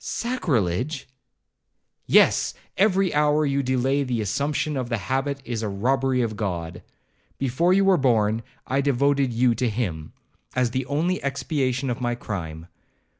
'Sacrilege!' 'Yes; every hour you delay the assumption of the habit is a robbery of God. Before you were born, I devoted you to him, as the only expiation of my crime.